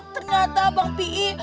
ternyata bang pi